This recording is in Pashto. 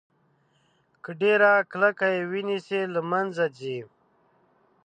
که ډیره کلکه یې ونیسئ له منځه ځي.